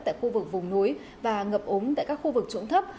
tại khu vực vùng núi và ngập ống tại các khu vực trụng thấp